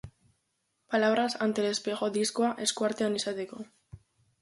Palabras ante el espejo diskoa esku artean izateko.